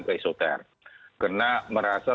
ke isoter karena merasa